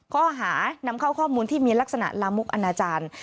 ข้อหานำเข้าข้อมูลที่มีลักษณะลามกอนาจารย์